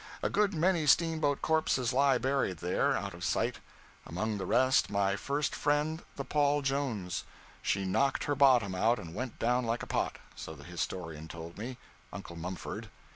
A good many steamboat corpses lie buried there, out of sight; among the rest my first friend the 'Paul Jones;' she knocked her bottom out, and went down like a pot, so the historian told me Uncle Mumford.